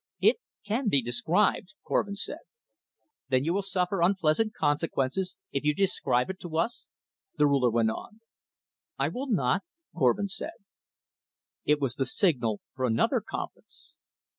"It can be described," Korvin said. "Then you will suffer unpleasant consequences if you describe it to us?" the Ruler went on. "I will not," Korvin said. It was the signal for another conference.